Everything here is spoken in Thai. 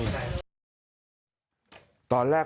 อาวาสมีการฝังมุกอาวาสมีการฝังมุก